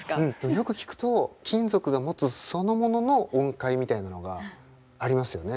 よく聴くと金属が持つそのものの音階みたいなのがありますよね。